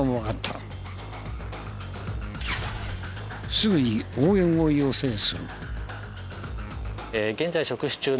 すぐに応援を要請する。